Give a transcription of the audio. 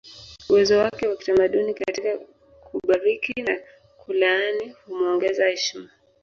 Uwezo wake wa kitamaduni katika kubariki na kulaani humuongeza heshima